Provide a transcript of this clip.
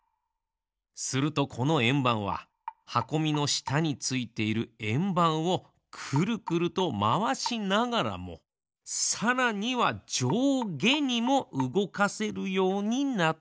するとこのえんばんははこみのしたについているえんばんをくるくるとまわしながらもさらにはじょうげにもうごかせるようになったのです。